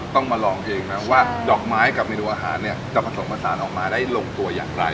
ต้องมาลองเองนะว่าดอกไม้กับเมนูอาหารเนี่ยจะผสมผสานออกมาได้ลงตัวอย่างไร